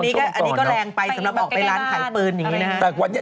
คืออันนี้ก็แรงไปสำหรับออกไปร้านขายปืนอย่างนี้นะ